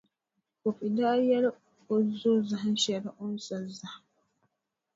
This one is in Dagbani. Kofi daa yɛli o zo zahinʼ shɛli o ni sa zahim.